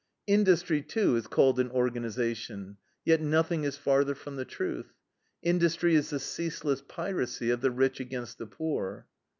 "Industry, too, is called an organization; yet nothing is farther from the truth. Industry is the ceaseless piracy of the rich against the poor.